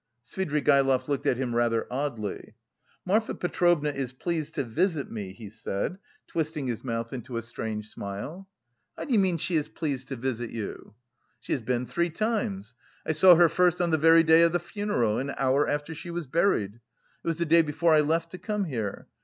Svidrigaïlov looked at him rather oddly. "Marfa Petrovna is pleased to visit me," he said, twisting his mouth into a strange smile. "How do you mean 'she is pleased to visit you'?" "She has been three times. I saw her first on the very day of the funeral, an hour after she was buried. It was the day before I left to come here.